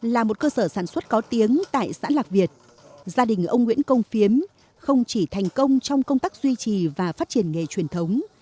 là một cơ sở sản xuất có tiếng tại xã lạc việt gia đình ông nguyễn công phiếm không chỉ thành công trong công tác duy trì và phát triển nghề truyền thống